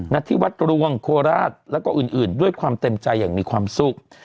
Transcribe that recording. ณที่วัดรวงโคราชแล้วก็อื่นด้วยความเต็มใจอย่างมีความสุข